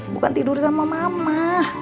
bukan tidur sama mama